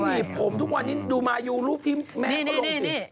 หรือมีผมทุกวันนี้ดูมายูลูฟทีมแม่เขาลงติด